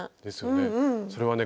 それはね